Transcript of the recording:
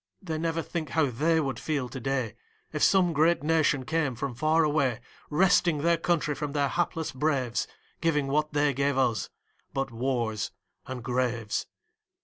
They never think how they would feel to day, If some great nation came from far away, Wresting their country from their hapless braves, Giving what they gave us but wars and graves.